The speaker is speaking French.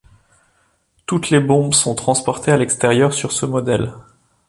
Toutes les bombes sont transportés à l'extérieur sur ce modèle.